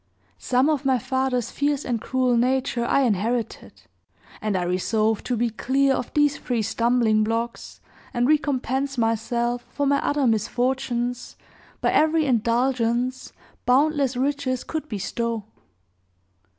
Some of my father's fierce and cruel nature I inherited; and I resolved to be clear of these three stumbling blocks, and recompense myself for my other misfortunes by every indulgence boundless riches could bestow.